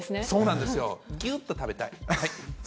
そうなんですよ、ぎゅっと食べたい。